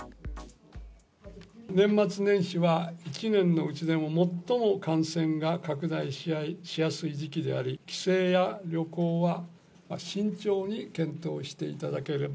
年末年始は１年のうちでも最も感染が拡大しやすい時期であり、帰省や旅行は慎重に検討していただければ。